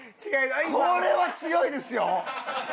これは強いですよ！